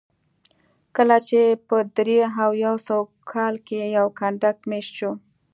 کله چې په درې او یو سوه کال کې یو کنډک مېشت شو